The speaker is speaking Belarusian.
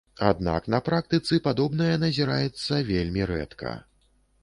Аднак на практыцы падобнае назіраецца вельмі рэдка.